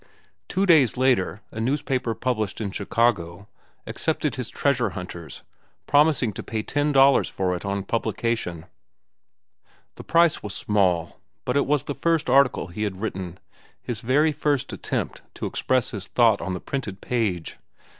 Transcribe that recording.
Two days later a newspaper published in Chicago accepted his "Treasure Hunters," promising to pay ten dollars for it on publication. The price was small, but it was the first article he had written, his very first attempt to express his thought on the printed page.